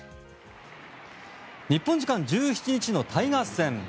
日本時間１７日のタイガース戦。